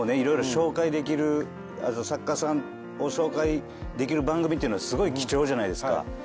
色々紹介できるあと作家さんを紹介できる番組はすごい貴重じゃないですか。